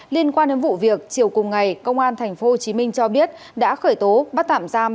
liên quan đến vụ việc chiều cùng ngày công an tp hcm cho biết đã khởi tố bắt tạm giam